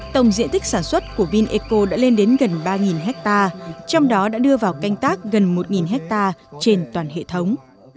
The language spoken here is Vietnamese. tổng diện tích sản xuất của vineco đã lên đến gần ba hectare trong đó đã đưa vào canh tác gần một ha trên toàn hệ thống